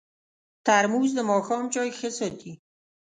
ترموز د ماښام چای ښه ساتي.